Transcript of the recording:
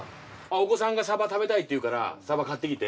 お子さんがサバ食べたいって言うからサバ買ってきて。